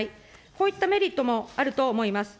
こういったメリットもあると思います。